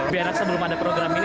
biar sebelum ada program ini